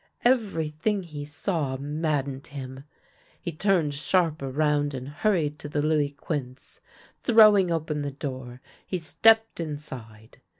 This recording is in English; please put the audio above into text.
Everything he saw maddened him. He turned sharp around and hurried to the Louis Quinze. Throwing open the door, he stepped inside.